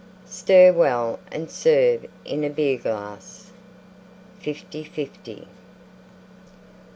Stir well and serve in a Beer glass. Fifty fifty.